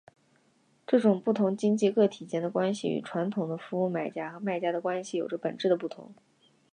这种不同经济个体间的关系与传统的服务买家和卖家的关系有着本质的不同。